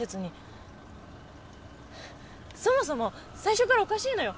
そもそも最初からおかしいのよ。